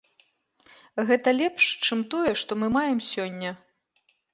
Гэта лепш, чым тое, што мы маем сёння.